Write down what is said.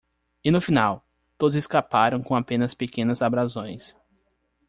E no final? todos escaparam com apenas pequenas abrasões.